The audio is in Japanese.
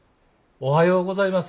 おはようございます。